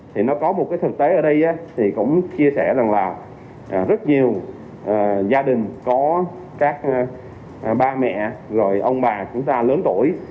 thì nó có một cái thực tế ở đây thì cũng chia sẻ rằng là rất nhiều gia đình có các bà mẹ rồi ông bà chúng ta lớn tuổi